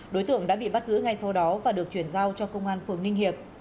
đối tượng đã bị bắt giữ ngay sau đó và được chuyển giao cho công an phường ninh hiệp